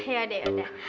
ya udah yaudah